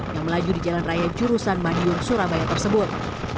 yang melaju di jalan raya jurusan madiun surabaya tersebut